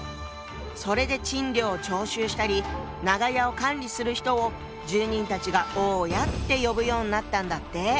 それで賃料を徴収したり長屋を管理する人を住人たちが「大家」って呼ぶようになったんだって。